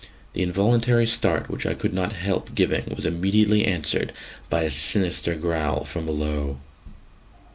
The involuntary start which I could not help giving was immediately answered by a sinister growl from below.